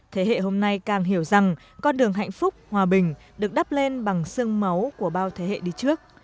thế hệ hôm nay càng hiểu rằng con đường hạnh phúc hòa bình được đắp lên bằng sương máu của bao thế hệ đi trước